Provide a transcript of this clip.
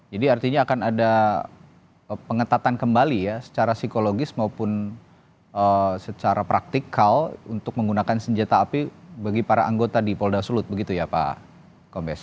jadi artinya akan ada pengetatan kembali ya secara psikologis maupun secara praktikal untuk menggunakan senjata api bagi para anggota di polda sulut begitu ya pak kombes